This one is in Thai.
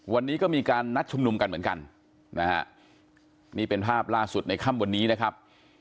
วันนี้ก็มีการนัดชุมนุมกันเหมือนกันนะฮะนี่เป็นภาพล่าสุดในค่ำวันนี้นะครับ